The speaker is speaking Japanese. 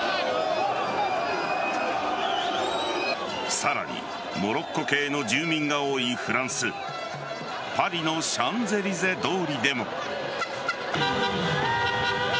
さらにモロッコ系の住民が多いフランスパリのシャンゼリゼ通りでも。